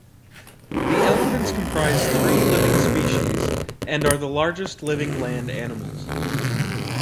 The elephants comprise three living species and are the largest living land animals.